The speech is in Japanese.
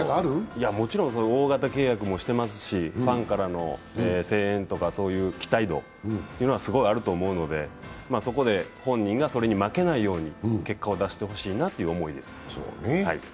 もちろん大型契約もしてますし、ファンからの応援とかそういう期待度というのはすごいあると思うので、そこで本人がそれに負けないように結果を出してほしいなという思いです。